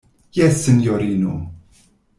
Jes, sinjorino.